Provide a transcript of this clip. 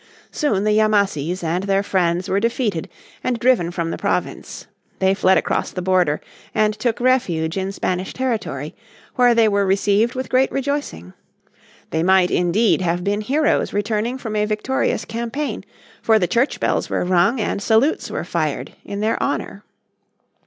Soon the Yamassees, and their friends were defeated and driven from the province. They fled across the border and took refuge in Spanish territory, where they were received with great rejoicing. They might indeed have been heroes returning from a victorious campaign, for the church bells were rung and salutes were fired in their honour.